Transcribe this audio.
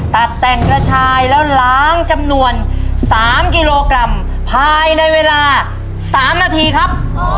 ตัดแต่งกระชายแล้วล้างจำนวน๓กิโลกรัมภายในเวลา๓นาทีครับ